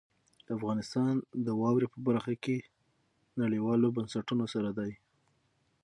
افغانستان د واورې په برخه کې نړیوالو بنسټونو سره دی.